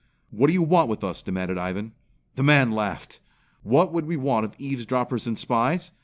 "What do you want with us?" demanded Ivan. The man laughed. "What would we want of eavesdroppers and spies?